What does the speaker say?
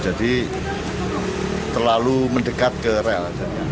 jadi terlalu mendekat ke rel